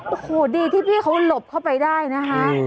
โอ้โหดีที่พี่เขาหลบเข้าไปได้นะคะ